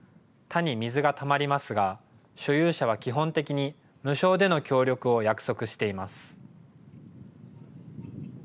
田に水がたまりますが、所有者は基本的に無償での協力を約束しています。